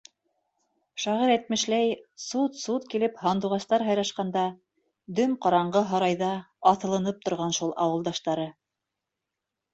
Шағир әйтмешләй, сут-сут килеп һандуғастар һайрашҡанда, дөм ҡараңғы һарайҙа аҫылынып торған шул ауылдаштары.